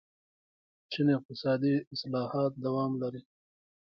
چین اقتصادي اصلاحات دوام لري.